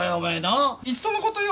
いっそのことよ